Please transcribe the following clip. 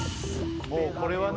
もうこれはね